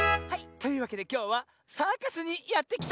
というわけできょうはサーカスにやってきた。